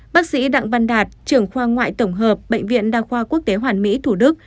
bác sĩ đặng văn đạt trưởng khoa ngoại tổng hợp bệnh viện đa khoa quốc tế hoàn mỹ thủ đức